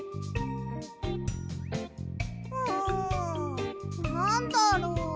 んなんだろう？